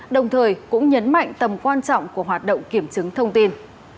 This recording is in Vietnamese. đồng thời cũng nhấn mạnh tầm quan trọng của hoạt động kiểm chứng thông tin